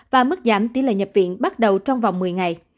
và mức giảm tỷ lệ nhập viện bắt đầu trong vòng một mươi ngày